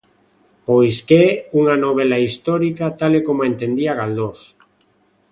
Pois que é unha novela histórico tal e como a entendía Galdós.